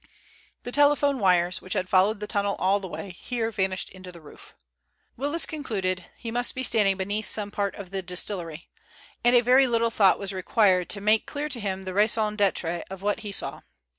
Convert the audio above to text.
The telephone wires, which had followed the tunnel all the way, here vanished into the roof. Willis concluded he must be standing beneath some part of the distillery, and a very little thought was required to make clear to him the raison d'être of what he saw.